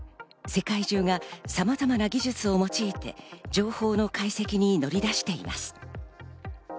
世界中がさまざまな技術を用いて情報の解析に乗り出しています。